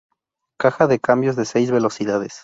Caja de cambios de seis velocidades.